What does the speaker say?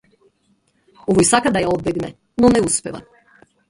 Овој сака да ја одбегне, но не успева.